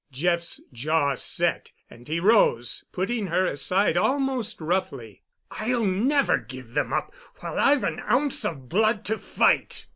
Jeff's jaw set, and he rose, putting her aside almost roughly. "I'll never give them up while I've an ounce of blood to fight!"